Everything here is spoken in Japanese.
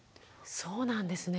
そうなんですね。